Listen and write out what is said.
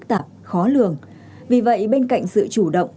rất phức tạp khó lường vì vậy bên cạnh sự chủ động